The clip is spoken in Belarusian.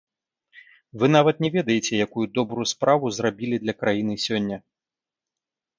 Вы нават не ведаеце, якую добрую справу зрабілі для краіны сёння.